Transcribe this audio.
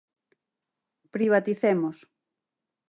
Privaticemos.